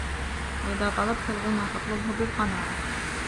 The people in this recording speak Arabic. وَإِذَا طَلَبْتَ الْغِنَى فَاطْلُبْهُ بِالْقَنَاعَةِ